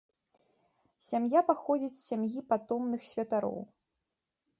Сям'я паходзіць з сям'і патомных святароў.